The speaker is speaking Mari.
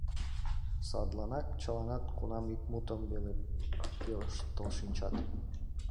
Садланак чыланат кунам ик мутым веле пелештыл шинчат.